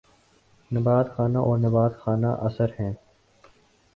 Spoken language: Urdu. نبات خانہ اور نبات خانہ اثر ہیں